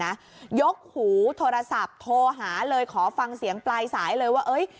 ยกหูโทรศัพท์โทรหาเลยขอฟังเสียงปลายสายเลยว่าเอ้ย